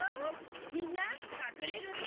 みんな隠れるんだ。